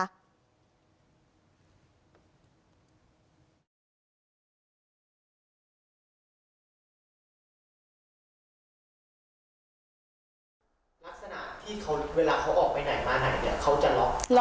ลักษณะที่เวลาเขาออกไปไหนมาไหนเขาจะล็อก